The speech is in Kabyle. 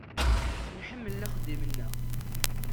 Nḥemmel axeddim-nneɣ.